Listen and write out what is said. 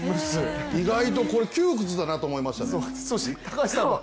意外とこれ窮屈だなと思いましたね。